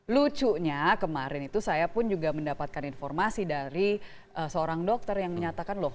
lucunya kemarin itu saya pun juga mendapatkan informasi dari seorang dokter yang menyatakan loh